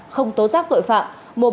không tố giác tội phạm